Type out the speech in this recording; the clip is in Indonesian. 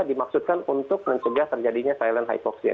dimaksudkan untuk mencegah terjadinya silent hypoxia